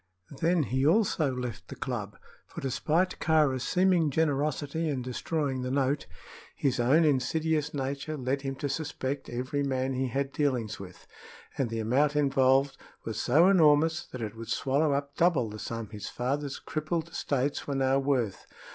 Then he also left the club, for, despite Kāra's seeming generosity in destroying the note, his own insidious nature led him to suspect every man he had dealings with, and the amount involved was so enormous that it would swallow up double the sum his father's crippled estates were now worth.